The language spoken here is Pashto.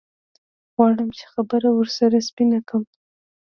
غواړم چې خبره ورسره سپينه کم.